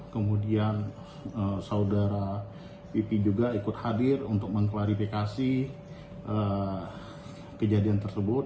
kemudian saudara pipi juga ikut hadir untuk mengklarifikasi kejadian tersebut